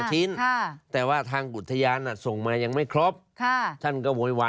จนทะเลาะกันแล้วเนี่ยอาจารย์ค่ะ